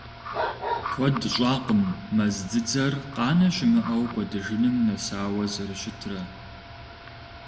Куэд щӀакъым мэз дзыдзэр къанэ щымыӀэу кӀуэдыжыным нэсауэ зэрыщытрэ.